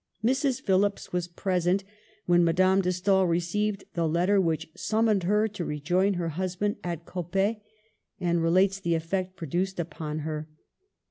Mrs. Phillips was present when Madame de Stael received the letter which sum moned her to rejoin her husband at Coppet, and relates the effect produced upon her.